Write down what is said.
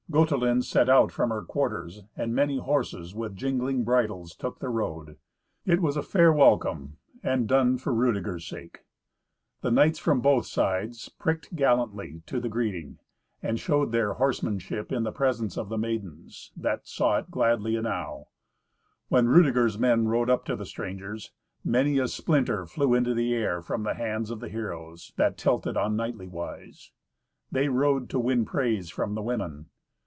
Gotelind set out from her quarters, and many horses with jingling bridles took the road. It was a fair welcome, and done for Rudeger's sake. The knights, from both sides, pricked gallantly to the greeting, and showed their horsemanship in the presence of the maidens, that saw it gladly enow. When Rudeger's men rode up to the strangers, many a splinter flew into the air from the hands of the heroes, that tilted on knightly wise. They rode to win praise from the women.